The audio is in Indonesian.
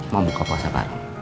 mau buka puasa bareng